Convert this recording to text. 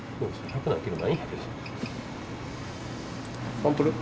サンプル？